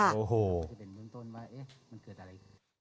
เป็นเรื่องต้นว่าเอ๊ะมันเกิดอะไร